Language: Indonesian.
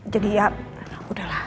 jadi ya udahlah